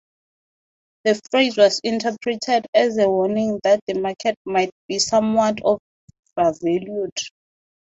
The phrase was interpreted as a warning that the market might be somewhat overvalued.